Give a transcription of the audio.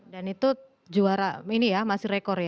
dan itu juara ini ya masih rekor ya